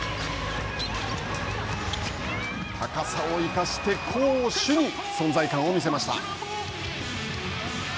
高さを生かして攻守に存在感を見せました。